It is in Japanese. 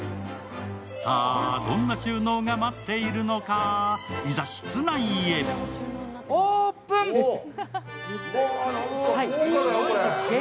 さぁ、どんな収納が待っているのかいざ、室内へ。